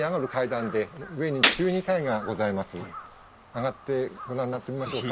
あがってご覧になってみましょうか。